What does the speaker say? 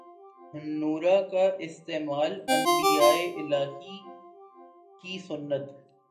نورہ کا استعمال انبیائے الہی کی سنت